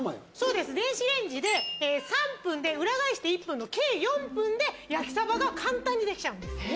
電子レンジで３分で裏返して１分の計４分で焼きサバが簡単にできちゃうんです。え！